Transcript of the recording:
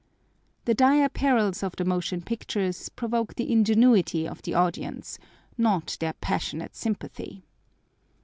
The dire perils of the motion pictures provoke the ingenuity of the audience, not their passionate sympathy.